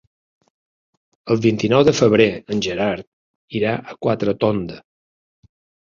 El vint-i-nou de febrer en Gerard irà a Quatretonda.